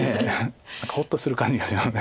何かほっとする感じがします。